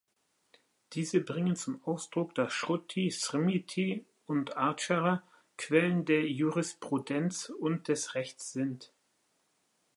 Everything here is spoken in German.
Diese bringen zum Ausdruck, dass Shruti, Smriti und Achara Quellen der Jurisprudenz und des Rechts sind.